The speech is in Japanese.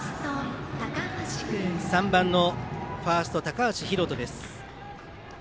３番のファースト高橋海翔です。